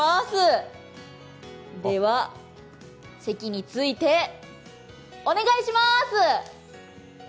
では、席についてお願いします！